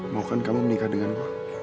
mau kan kamu menikah denganku